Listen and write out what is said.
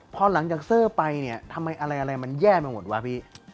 พอหลังจากเซอร์ไปเนี่ยทำไมอะไรมันแย่ไปหมดวะพี่